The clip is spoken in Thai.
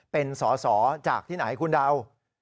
เป็นสอสอจากที่ไหนคุณเดา